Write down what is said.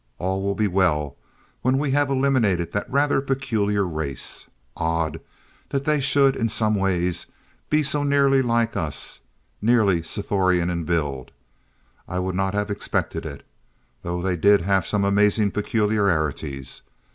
All will be well, when we have eliminated that rather peculiar race. Odd, that they should, in some ways, be so nearly like us! Nearly Sthorian in build. I would not have expected it. Though they did have some amazing peculiarities!